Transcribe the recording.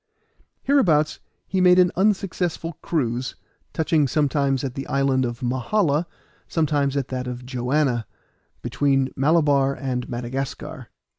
Hereabouts he made an unsuccessful cruise, touching sometimes at the island of Mahala, sometimes at that of Joanna, between Malabar and Madagascar.